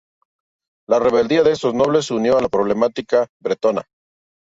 La rebeldía de estos nobles se unió a la problemática bretona.